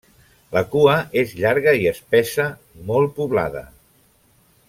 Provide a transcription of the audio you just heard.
La cua és llarga i espessa, molt poblada.